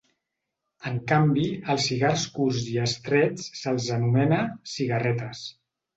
En canvi, els cigars curts i estrets se'ls anomena "cigarretes".